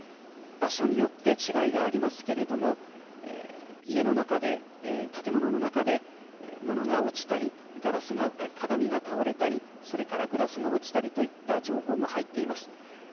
場所によって違いがありますけれども、家の中で、建物の中でものが落ちたり、鏡が倒れたり、それからグラスが落ちたりといった情報も入っています。